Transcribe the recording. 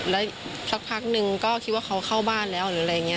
แล้วสักพักนึงก็คิดว่าเขาเข้าบ้านแล้วหรืออะไรอย่างนี้